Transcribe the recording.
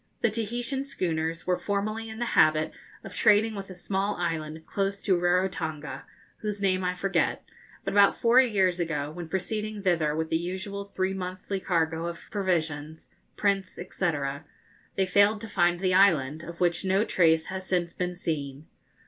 The Tahitian schooners were formerly in the habit of trading with a small island close to Rarotonga, whose name I forget; but about four years ago, when proceeding thither with the usual three monthly cargo of provisions, prints, &c., they failed to find the island, of which no trace has since been seen.